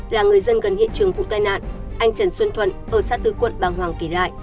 là người dân gần hiện trường vụ tai nạn anh trần xuân thuận ở xa tư quận bàng hoàng kể lại